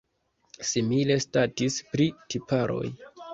Simile statis pri tiparoj.